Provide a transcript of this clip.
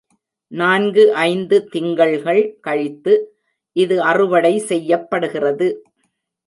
நான்கு ஐந்து திங்கள்கள் கழித்து, இது அறுவடை செய்யப்படுகிறது.